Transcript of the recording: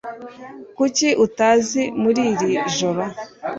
Kuki utaza muri iri joro?